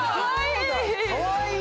かわいい！